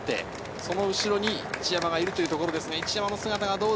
その後ろに一山がいるというところです。